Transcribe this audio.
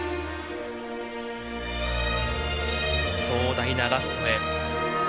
壮大なラストへ。